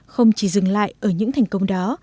không chỉ dừng lại ở những thành công đó